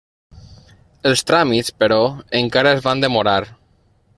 Els tràmits, però, encara es van demorar.